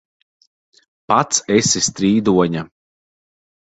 Pats esi strīdoņa!